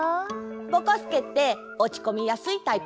ぼこすけっておちこみやすいタイプ？